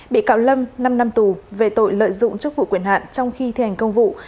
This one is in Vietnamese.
bị cáo lâm năm năm tù về tội lợi dụng chức vụ quyền hạn trong khi thi hành công vụ